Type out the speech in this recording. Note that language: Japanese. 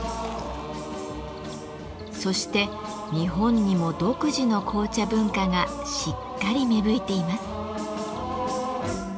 そして日本にも独自の紅茶文化がしっかり芽吹いています。